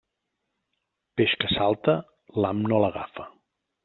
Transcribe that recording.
Peix que salta, l'ham no l'agafa.